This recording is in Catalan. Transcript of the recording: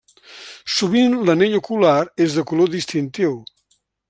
Sovint l'anell ocular és de color distintiu.